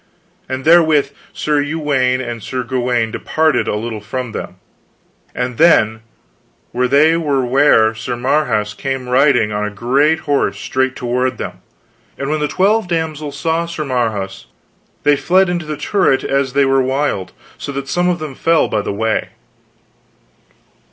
And therewith Sir Uwaine and Sir Gawaine departed a little from them, and then were they ware where Sir Marhaus came riding on a great horse straight toward them. And when the twelve damsels saw Sir Marhaus they fled into the turret as they were wild, so that some of them fell by the way.